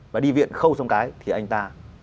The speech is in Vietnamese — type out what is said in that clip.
và đi viện khâu xong cái thì anh ta